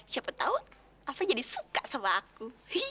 siapa tahu aku jadi suka sama aku